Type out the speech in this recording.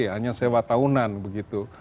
hanya sewa tahunan begitu